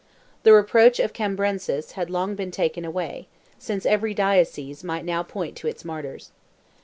The reproach of Cambrensis had long been taken away, since every Diocese might now point to its martyrs.